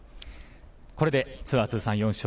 これでツアー通算４勝。